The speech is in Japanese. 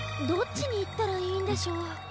どっちにいったらいいんでしょう。